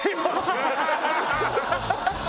ハハハハ！